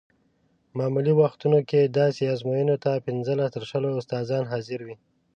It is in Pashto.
معمولي وختونو کې داسې ازموینو ته پنځلس تر شلو استادان حاضر وي.